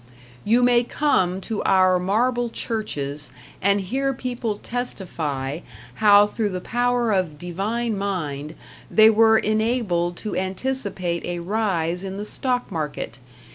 You may; come to our marble churches and hear people testify how through the power of Divine Mind they were enabled to anticipate a rise in the stock market.